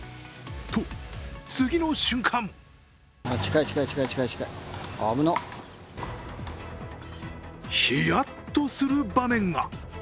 と次の瞬間ヒヤッとする場面が。